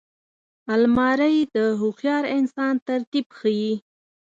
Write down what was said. الماري د هوښیار انسان ترتیب ښيي